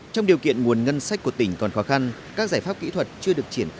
trong điều kiện nguồn ngân sách của tỉnh phú thuận